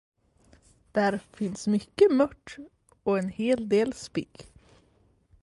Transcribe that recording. Där finns mycket mört, och en hel del spigg.